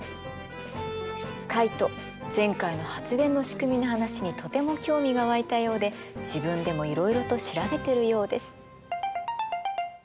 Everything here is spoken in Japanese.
カイト前回の発電のしくみの話にとても興味が湧いたようで自分でもいろいろと調べてるようです。